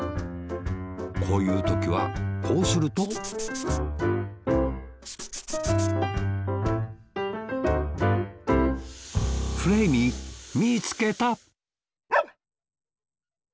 こういうときはこうするとフレーミーみつけたワン！